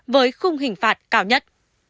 với khung hình phạt cao nhất